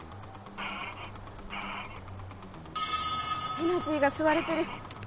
エナジーがすわれてる！